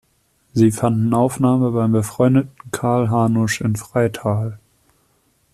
Sie fanden Aufnahme beim befreundeten Karl Hanusch in Freital.